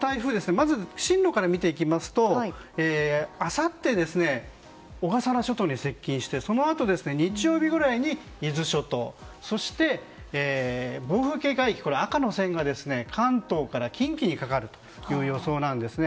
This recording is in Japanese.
進路から見ていきますとあさって、小笠原諸島に接近してそのあと日曜日くらいに伊豆諸島そして暴風警戒域、赤の線が関東から近畿にかかる予想なんですね。